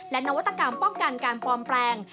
และนวัตกรรมป้องกันการปลอมแปลง